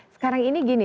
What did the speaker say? sekarang ini gini